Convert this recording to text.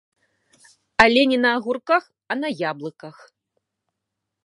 Але не на агурках, а на яблыках!